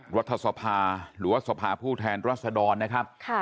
รัฐสภาหรือว่าสภาผู้แทนรัศดรนะครับ